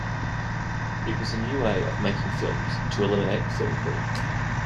It was a new way of making films, to eliminate the film crew.